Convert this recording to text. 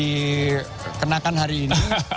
dikenakan hari ini